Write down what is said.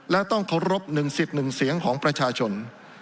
และต้องเคารพ๑สิทธิ์๑เสียงของประชาชน